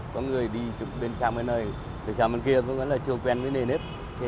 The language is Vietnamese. có người đi bên xa bên nơi bên xa bên kia vẫn là chưa quen với nền hết